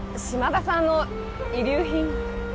島田さんの遺留品？